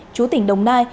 chú tỉnh đồng nai